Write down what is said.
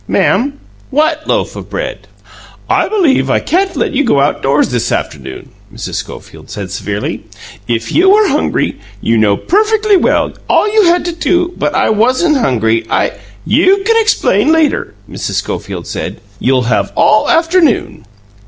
"Ma'am? WHAT loaf o' bread?" "I believe I can't let you go outdoors this afternoon," Mrs. Schofield said severely. "If you were hungry, you know perfectly well all you had to do was to " "But I wasn't hungry; I " "You can explain later," Mrs. Schofield said. "You'll have all afternoon."